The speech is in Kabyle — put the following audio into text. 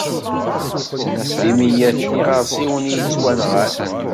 D imyaten iɣersiwen i yettwanɣan.